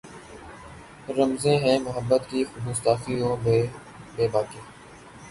رمزیں ہیں محبت کی گستاخی و بیباکی